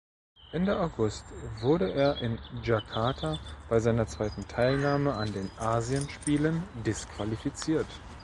Ende August wurde er in Jakarta bei seiner zweiten Teilnahme an den Asienspielen disqualifiziert.